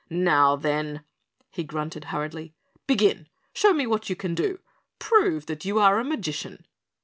"Now, then," he grunted hurriedly. "Begin. Show me what you can do. Prove that you are a magician."